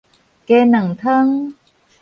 雞卵湯